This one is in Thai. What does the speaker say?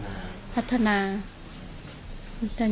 ทุกปีเนี่ยแกจะเกณฑ์มาที่นี่เก่ง